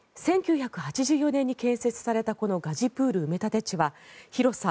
１９８４年に建設されたこのガジプール埋め立て地は広さ